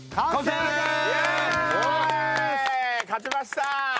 勝ちました。